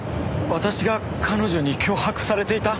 私が彼女に脅迫されていた？